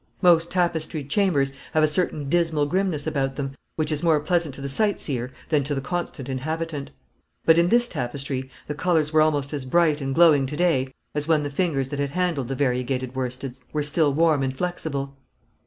Most tapestried chambers have a certain dismal grimness about them, which is more pleasant to the sightseer than to the constant inhabitant; but in this tapestry the colours were almost as bright and glowing to day as when the fingers that had handled the variegated worsteds were still warm and flexible.